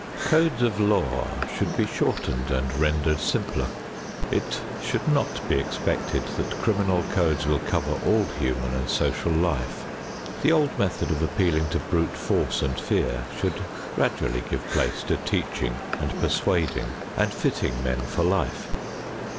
Codes of law should be shortened and rendered simpler. It should not be expected that criminal codes will cover all human and social life. The old method of appealing to brute force and fear should gradually give place to teaching and persuading and fitting men for life.